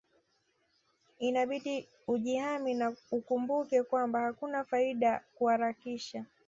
Inabidi ujihami na ukumbuke kwamba hakuna faida kuharakisha